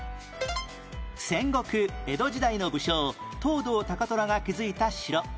戦国・江戸時代の武将藤堂高虎が築いた城